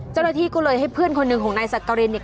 เจ้าหน้าที่ก็เลยให้เพื่อนคนหนึ่งของนายสักกรินเนี่ย